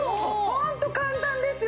ホント簡単ですよね。